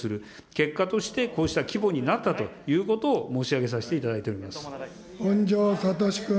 結果としてこうした規模になったということを申し上げさせていただいております。